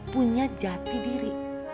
punya jati diri